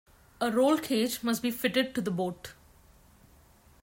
A rollcage must be fitted to the boat.